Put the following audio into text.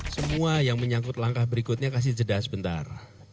semua yang menyangkut langkah berikutnya kasih jeda sebentar